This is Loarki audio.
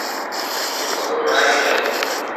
تو خبر ھوڻاوي لو